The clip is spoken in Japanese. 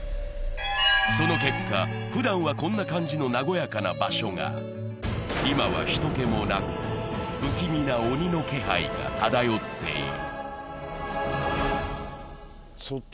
その結果、ふだんはこんな感じの和やかな場所が、今は人けもなく、不気味な気配が漂っている。